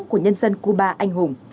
của nhân dân cuba anh hùng